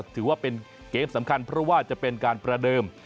ถือว่าเป็นเกมสำคัญเพราะว่าจะเป็นการประเดิม